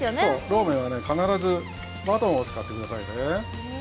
ローメンは必ずマトンを使ってくださいね。